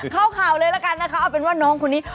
เข้าข่าวเลยละกันนะคะเอาเป็นว่าน้องคนนี้